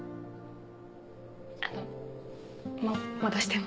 あのもう戻しても。